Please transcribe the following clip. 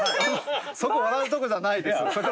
そこ笑うとこじゃないです。